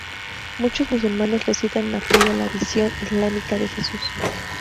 Muchos musulmanes lo citan en apoyo a la visión islámica de Jesus.